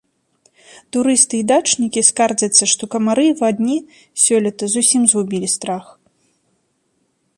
Турысты і дачнікі скардзяцца, што камары і авадні сёлета зусім згубілі страх.